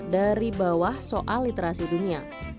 dari bawah soal literasi dunia